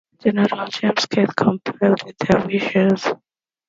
General James Keith complied with their wishes.